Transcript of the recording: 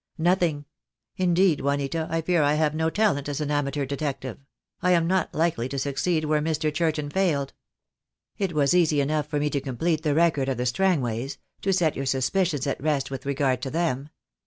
"Nothing. Indeed, Juanita, I fear I have no talent as an amateur detective. I am not likely to succeed where Mr. Churton failed. It was easy enough for me to complete the record of the Strangways — to set your suspicions at rest with regard to them.